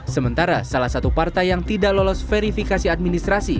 sementara salah satu partai yang tidak lolos verifikasi administrasi